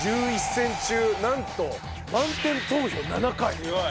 戦中なんと満点投票７回。